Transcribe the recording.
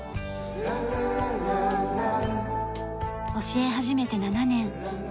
教え始めて７年。